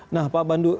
nah pak bandu